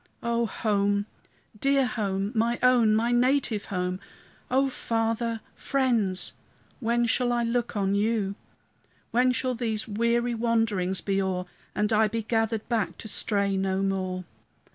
O home! dear home! my own, my native home! O Father, friends! when shall I look on you? When shall these weary wanderings be o'er, And I be gathered back to stray no more?